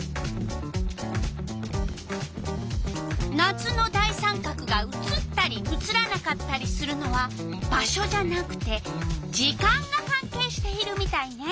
夏の大三角が写ったり写らなかったりするのは場所じゃなくて時間がかんけいしているみたいね。